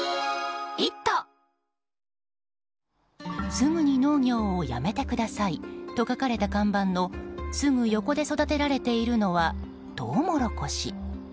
すぐに農業をやめてくださいと書かれた看板のすぐ横で育てられているのはトウモロコシ。